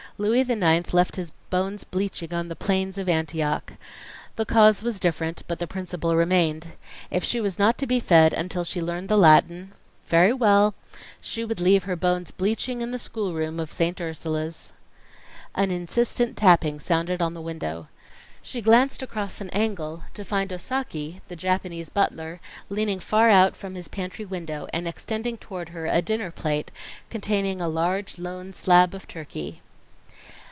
Louis the Ninth left his bones bleaching on the plains of Antioch. The cause was different, but the principle remained. If she was not to be fed until she learned the Latin very well she would leave her bones bleaching in the schoolroom of St. Ursula's. An insistent tapping sounded on the window. She glanced across an angle, to find Osaki, the Japanese butler, leaning far out from his pantry window, and extending toward her a dinner plate containing a large, lone slab of turkey.